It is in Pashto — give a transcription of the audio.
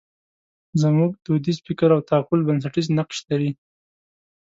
زموږ دودیز فکر او تعقل بنسټیز نقش لري.